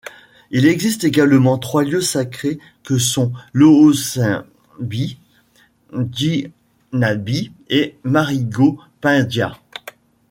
Il existe également trois lieux sacrés que sont Lohossimbii, Djinabi, et le marigot Pindia.